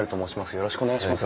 よろしくお願いします。